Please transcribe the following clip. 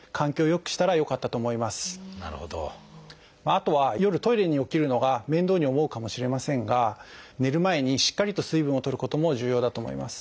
あとは夜トイレに起きるのが面倒に思うかもしれませんが寝る前にしっかりと水分をとることも重要だと思います。